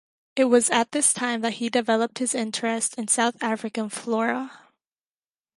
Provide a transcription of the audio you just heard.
It was at this time that he developed his interest in South African flora.